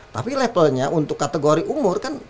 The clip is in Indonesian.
tapi levelnya untuk kategori umur kan